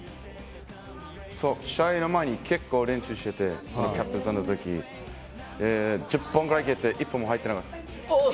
試合の前に結構練習してて、キャンプのとき１０本蹴って、１本も入ってなかった。